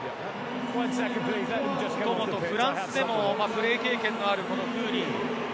もともとフランスでもプレー経験のあるフーリー。